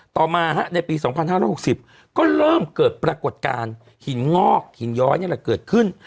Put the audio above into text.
ต่อมาในปี๒๕๖๐ก็เริ่มเกิดปรากฏการณ์หินงอกหินย้อยนี่แหละเกิดขึ้น